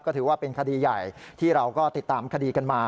ก็ถือว่าเป็นคดีใหญ่ที่เราก็ติดตามคดีกันมา